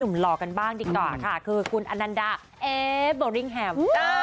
หล่อกันบ้างดีกว่าค่ะคือคุณอนันดาเอโบริ่งแฮม